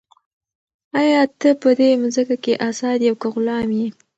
آیا ته په دې مځکه کې ازاد یې او که غلام یې؟